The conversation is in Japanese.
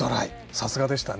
さすがでしたね。